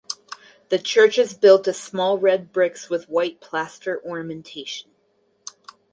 The church is built of small red bricks with white plaster ornamentation.